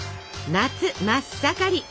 夏真っ盛り！